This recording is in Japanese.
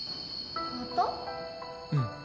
うん。